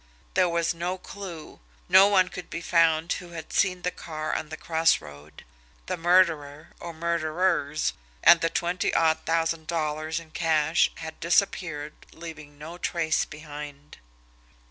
There was no clew no one could be found who had seen the car on the crossroad the murderer, or murderers, and the twenty odd thousand dollars in cash had disappeared leaving no trace behind.